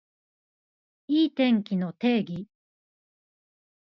いい天気の定義